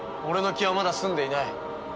俺の気はまだ済んでいない。